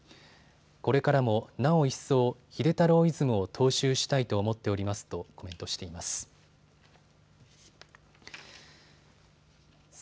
これからも、なお一層秀太郎イズムを踏襲したいと思っておりますとコメントしています。